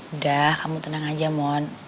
udah kamu tenang aja mohon